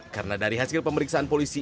karena dari hasil pemeriksaan polisi